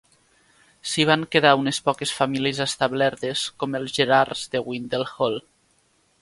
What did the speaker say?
S'hi van quedar unes poques famílies establertes, com els Gerards de Windle Hall.